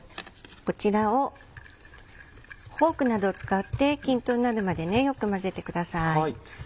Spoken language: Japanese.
こちらをフォークなどを使って均等になるまでよく混ぜてください。